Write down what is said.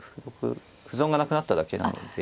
歩損がなくなっただけなので。